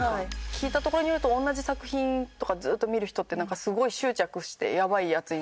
聞いたところによると同じ作品とかずっと見る人ってなんかすごい執着してやばいヤツになるらしい。